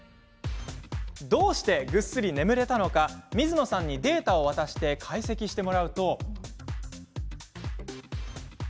どうして、ぐっすり眠れたのか水野さんにデータを渡して解析してもらうと。